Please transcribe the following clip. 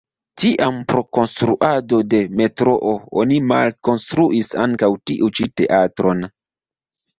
Tiam pro konstruado de metroo oni malkonstruis ankaŭ tiu ĉi teatron.